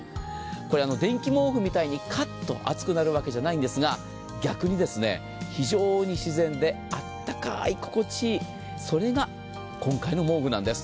これは電気毛布みたいなカッと熱くなるわけではないんですが、逆に非常に自然であったかーい心地いい、それが今回の毛布なんです。